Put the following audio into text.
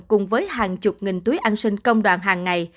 cùng với hàng chục nghìn túi ăn sinh công đoàn hàng ngày